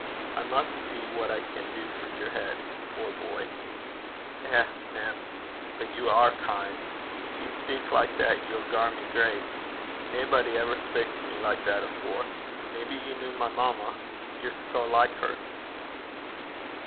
I must see what I can do for your head. Poor boy!' 'Eh, mem! but ye are kin'! Gin ye speik like that ye'll gar me greit. Naebody ever spak' to me like that afore. Maybe ye kent my mamma. Ye're sae like her.'